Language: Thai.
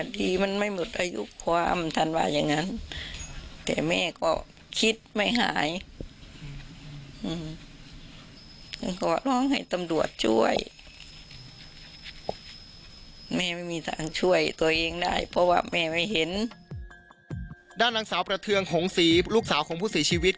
ด้านหนังสาวประเทืองหงศรีลูกสาวของภุษีชีวิต